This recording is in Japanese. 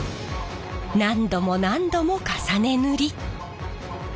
何度も何度も重ね塗り。